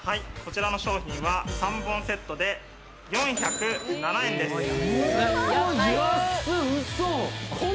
こちらの商品は３本セットで４０７円です。